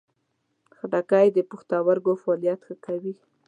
خټکی د پښتورګو فعالیت ښه کوي.